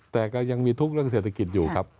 แต่ก็ยังมีทุกข์เรื่องเศรษฐกิจอยู่ครับ